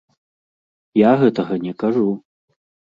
Я гэтага не кажу.